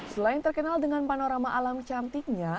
selain terkenal dengan panorama alam cantiknya